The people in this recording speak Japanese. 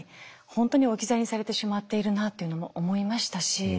本当に置き去りにされてしまっているなというのも思いましたし。